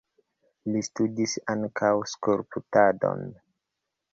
Li studis ankaŭ skulptadon.